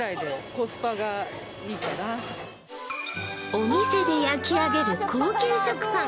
お店で焼き上げる高級食パン